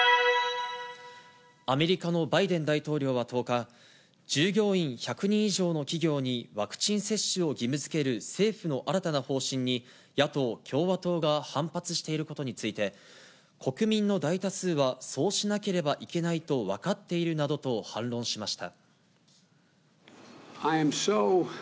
アメリカのバイデン大統領は１０日、従業員１００人以上の企業に、ワクチン接種を義務づける政府の新たな方針に野党・共和党が反発していることについて、国民の大多数はそうしなければいけないと分かっているなどと反論しました。